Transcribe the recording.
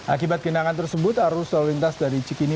akibat genangan tersebut arus lalu lintas dari cikini